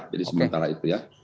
jadi sementara itu ya